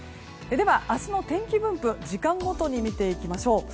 明日の天気分布時間ごとに見ていきましょう。